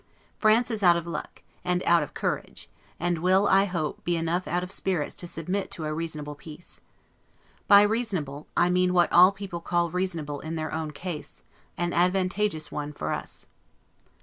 France is out of luck, and out of courage; and will, I hope, be enough out of spirits to submit to a reasonable peace. By reasonable, I mean what all people call reasonable in their own case; an advantageous one for us.